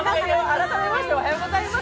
改めまして、おはようございます。